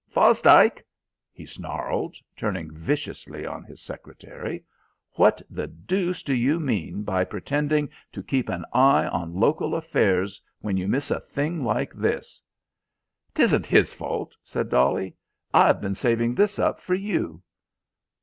Fosdike," he snarled, turning viciously on his secretary, "what the deuce do you mean by pretending to keep an eye on local affairs when you miss a thing like this?" "'Tisn't his fault," said Dolly. "I've been saving this up for you."